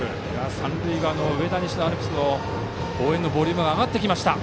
三塁側の上田西のアルプスの応援のボリュームが上がってきた。